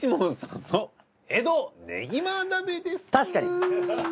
確かに。